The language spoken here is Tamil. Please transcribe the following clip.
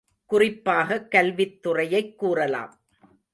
குறிப்பாகக் கல்வித் துறையைக் கூறலாம்.